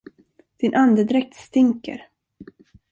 Din andedräkt stinker.